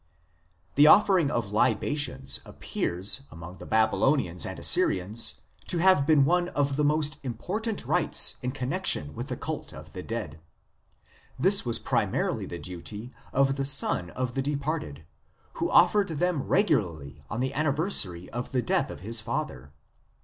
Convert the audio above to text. The offering of libations appears, among the Babylonians and Assyrians, to have been one of the most important rites in connexion with the cult of the dead ; this was primarily the duty of the son of the departed, who offered them regularly on the anniversary of the death of his father.